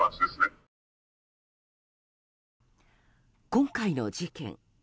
今回の事件。